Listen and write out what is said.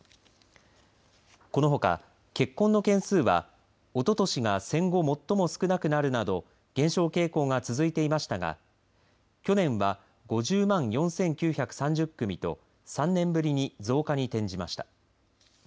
このほか、結婚の件数はおととしが戦後、最も少なるなど減少傾向が続いていましたが去年は５０万４９３０組と３年ぶりに増加に転じました。